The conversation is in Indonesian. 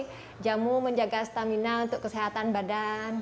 jadi jamu menjaga stamina untuk kesehatan badan